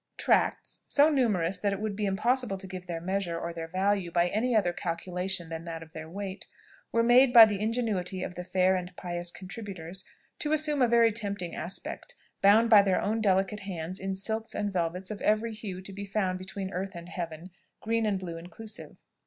Tracts, so numerous that it would be impossible to give their measure or their value by any other calculation than that of their weight, were made by the ingenuity of the fair and pious contributors to assume a very tempting aspect, bound by their own delicate hands in silks and velvets of every hue to be found between earth and heaven, green and blue inclusive.